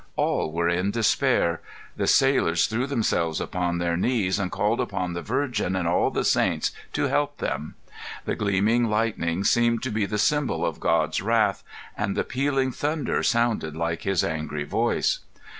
All were in despair. The sailors threw themselves upon their knees, and called upon the Virgin and all the saints to help them. The gleaming lightning seemed to be the symbol of God's wrath, and the pealing thunder sounded like His angry voice.